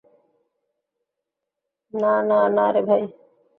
না, না, না রে ভাই।